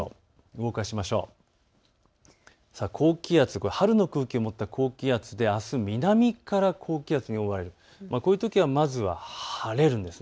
動かすと、高気圧、春の空気を持った高気圧であす南から高気圧に覆われてこういうときは晴れるんです。